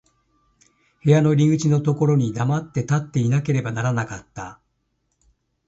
部屋の入口のところに黙って立っていなければならなかった。